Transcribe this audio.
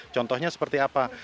contohnya seperti apa